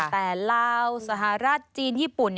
แต่ลาวสหรัฐจีนญี่ปุ่น